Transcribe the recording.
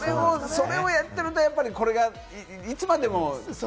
それをやってるといつまでも。